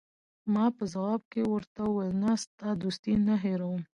ما په ځواب کې ورته وویل: نه، ستا دوستي نه هیروم.